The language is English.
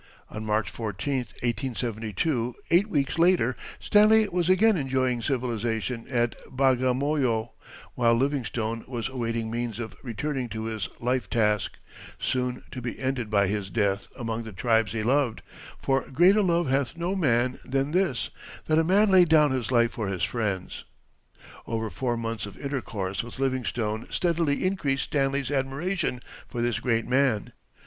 On March 14, 1872, eight weeks later, Stanley was again enjoying civilization at Bagamoyo, while Livingstone was awaiting means of returning to his life task, soon to be ended by his death among the tribes he loved, for "Greater love hath no man than this, that a man lay down his life for his friends." Over four months of intercourse with Livingstone steadily increased Stanley's admiration for this great man.